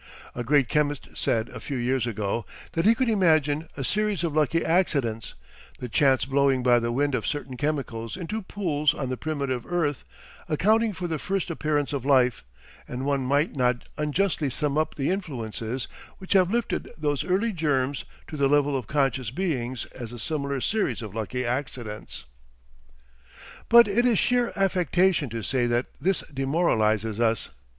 A great chemist said a few years ago that he could imagine 'a series of lucky accidents' the chance blowing by the wind of certain chemicals into pools on the primitive earth accounting for the first appearance of life; and one might not unjustly sum up the influences which have lifted those early germs to the level of conscious beings as a similar series of lucky accidents. "But it is sheer affectation to say that this demoralises us.